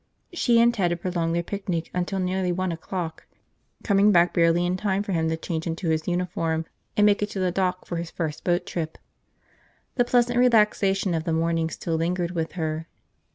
She and Ted had prolonged their picnic until nearly one o'clock, coming back barely in time for him to change into his uniform and make it to the dock for his first boat trip. The pleasant relaxation of the morning still lingered with her.